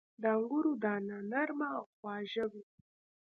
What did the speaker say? • د انګورو دانه نرمه او خواږه وي.